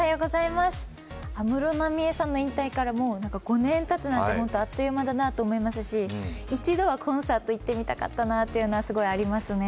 安室奈美恵さんの引退からもう５年たつなんて本当あっという間だなと思いますし一度もコンサートに行ってみたかったなというのはすごいありますね。